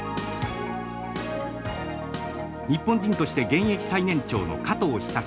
日本人として現役最年長の加藤久３７歳。